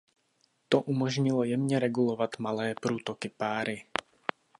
To umožnilo jemně regulovat malé průtoky páry.